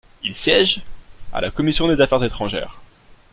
Il siège à la commission des Affaires étrangères.